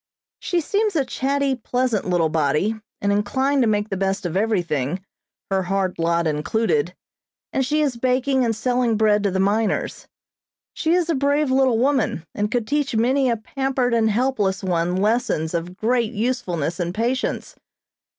She seems a chatty, pleasant little body, and inclined to make the best of everything, her hard lot included, and she is baking and selling bread to the miners. She is a brave little woman, and could teach many a pampered and helpless one lessons of great usefulness and patience.